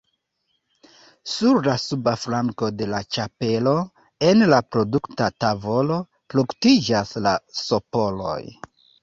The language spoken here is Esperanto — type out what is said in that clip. Sur la suba flanko de la ĉapelo, en la produkta tavolo, produktiĝas la sporoj.